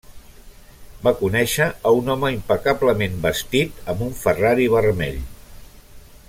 Va conèixer a un home impecablement vestit amb un Ferrari vermell.